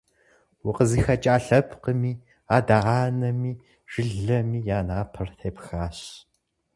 УкъызыхэкӀа лъэпкъыми, адэ анэми, жылэми я напэр тепхащ.